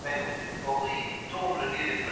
ژه دې اور لکه سکروټې د قلم شه گرانې!